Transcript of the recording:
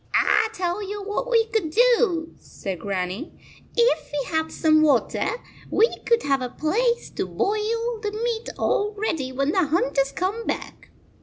" I tell you what we could do," said Grannie. " If we had some water, we could have a place to boil the meat all ready when the hunters come back.